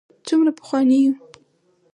څومره پخواني یو.